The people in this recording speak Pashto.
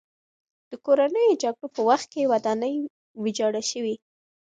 د کورنیو جګړو په وخت کې ودانۍ ویجاړه شوې.